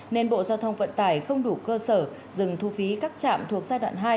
nên bộ giao thông vận tải không đủ cơ sở dừng thu phí các trạm thuộc giai đoạn hai